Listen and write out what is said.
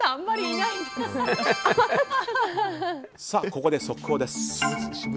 ここで速報です。